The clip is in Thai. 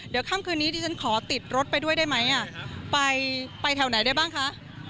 เดี๋ยวค่ำคืนนี้ดิฉันขอติดรถไปด้วยได้ไหมไปแถวไหนได้บ้างคะ